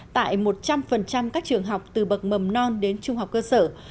tại một trăm linh các trường học từ bậc mầm non đến trung học cơ sở